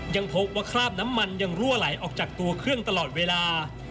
ยังพบว่าคราบน้ำมันยังรั่วไหลออกจากตัวเครื่องตลอดเวลา